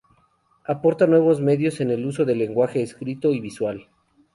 aporta nuevos medios en el uso del lenguaje escrito y visual